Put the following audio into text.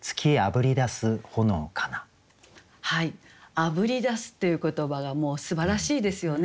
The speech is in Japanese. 「あぶり出す」っていう言葉がもうすばらしいですよね。